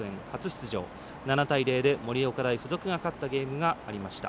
７対０で盛岡大付属高校が勝った試合もありました。